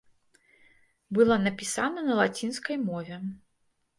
Была напісана на лацінскай мове.